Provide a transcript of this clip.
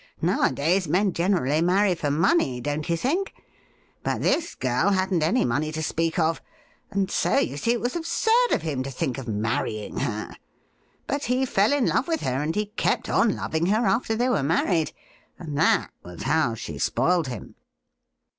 Now adays men generally marry for money, don't you think ? But this girl hadn't any money to speak of, and so, you see, it was absurd of him to think of marrying her. But he fell in love with her, and he kept on loving her after they were married ; and that was how she spoiled him.'